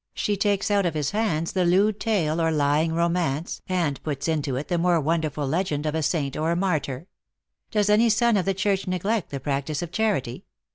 she takes out of his hands the lewd tale or lying romance, and puts into it the more wonderful legend of a saint or a mar tyr. Does any son of the church neglect the practice of charity